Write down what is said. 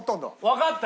わかった！